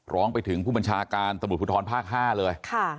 ร้องไปถึงผู้บัญชาการตำรวจภูทรภาค๕เลย